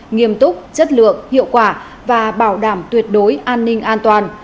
nghiêm túc chất lượng hiệu quả và bảo đảm tuyệt đối an ninh an toàn